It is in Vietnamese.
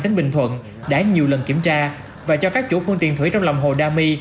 hàm thuận đã nhiều lần kiểm tra và cho các chủ phương tiện thủy trong lòng hồ đa my